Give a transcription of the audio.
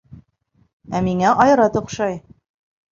Ә миңә Айрат оҡшай.